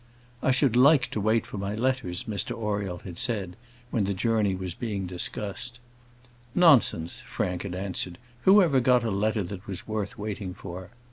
"I should like to wait for my letters," Mr Oriel had said, when the journey was being discussed. "Nonsense," Frank had answered. "Who ever got a letter that was worth waiting for?"